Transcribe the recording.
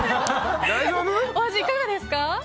お味いかがですか？